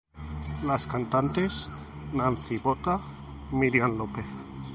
Las cantantes Nancy Botta, Miriam López.